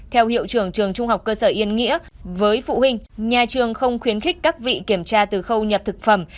theo hiệu trưởng trường trung học cơ sở yên nghĩa với phụ huynh nhà trường không khuyến khích các vị kiểm tra từ khâu nhập thực phẩm